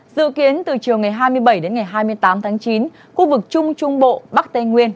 dự kiến từ chiều ngày hai mươi bảy đến ngày hai mươi tám tháng chín khu vực trung trung bộ bắc tây nguyên